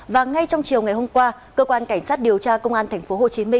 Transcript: và ngay trong chiều ngày hôm qua cơ quan cảnh sát điều tra công an tp hcm